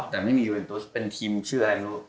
แต่ไม่มียูเรนตุสเป็นทีมชื่ออะไรไม่รู้